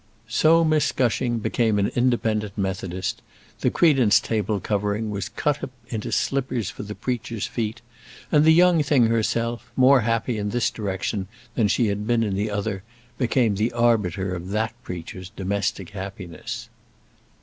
So Miss Gushing became an Independent Methodist; the credence table covering was cut up into slippers for the preacher's feet; and the young thing herself, more happy in this direction than she had been in the other, became the arbiter of that preacher's domestic happiness.